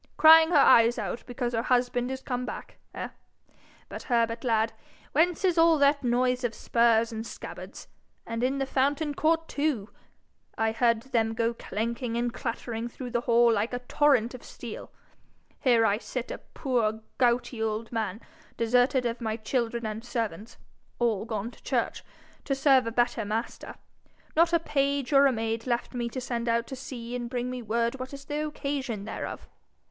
Crying her eyes out because her husband is come back, eh? But, Herbert, lad, whence is all that noise of spurs and scabbards and in the fountain court, too? I heard them go clanking and clattering through the hall like a torrent of steel! Here I sit, a poor gouty old man, deserted of my children and servants all gone to church to serve a better Master not a page or a maid left me to send out to see and bring me word what is the occasion thereof!